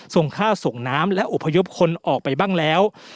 ส่งข้าวส่งน้ำและอบพยพคนออกไปบ้างแล้ว